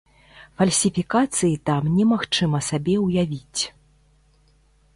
Фальсіфікацыі там немагчыма сабе ўявіць.